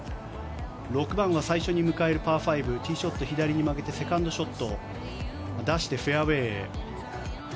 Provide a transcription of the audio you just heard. ６番は最初に迎えるパー５ティーショットを左に曲げてセカンドショット出してフェアウェー。